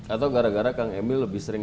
atau gara gara kang emil lebih sering